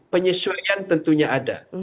penyesuaian tentunya ada